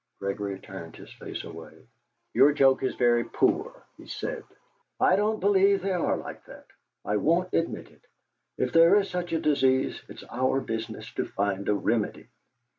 Gregory turned his face away. "Your joke is very poor," he said. "I don't believe they are like that! I won't admit it. If there is such a disease, it's our business to find a remedy."